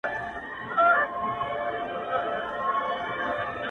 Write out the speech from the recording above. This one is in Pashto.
o د کمبلي پر يوه سر غم وي، پر بل سر ئې ښادي٫